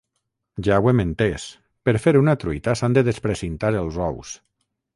Ja ho hem entès: per fer una truita s'han de desprecintar els ous.